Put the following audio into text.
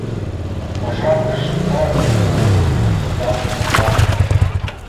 Пашам ыштат нуно идалык вошт